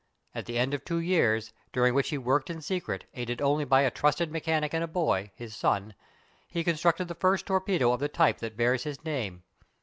At the end of two years, during which he worked in secret, aided only by a trusted mechanic and a boy, his son, he constructed the first torpedo of the type that bears his name.